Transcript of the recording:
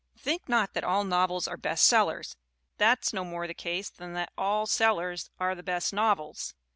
Think not that all novels are best sell ers. That's no more the case than that all the sellers are the best novels.